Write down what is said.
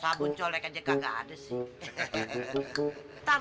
habis itu gan nek buna